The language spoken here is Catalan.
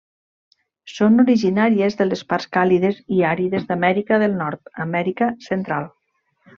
Són originàries de les parts càlides i àrides d'Amèrica del Nord, Amèrica Central.